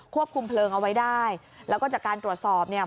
ควบคุมเพลิงเอาไว้ได้แล้วก็จากการตรวจสอบเนี่ย